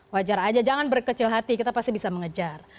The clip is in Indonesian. wajar aja jangan berkecil hati kita pasti bisa mengejar